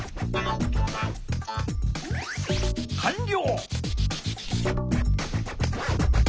かんりょう！